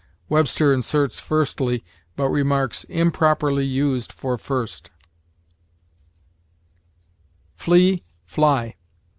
Webster inserts firstly, but remarks, "Improperly used for first." FLEE FLY.